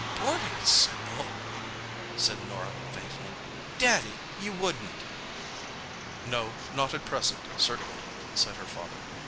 "Boarding school!" said Norah faintly. "Daddy, you wouldn't?" "No—not at present, certainly," said her father.